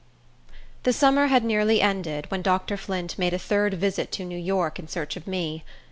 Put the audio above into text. The summer had nearly ended, when Dr. Flint made a third visit to New York, in search of me.